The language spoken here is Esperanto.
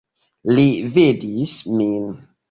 Li vidis min.